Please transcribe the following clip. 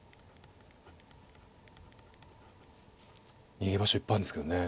逃げ場所いっぱいあるんですけどね